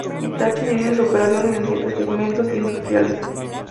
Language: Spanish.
Hitachi divide sus operaciones en siete segmentos industriales.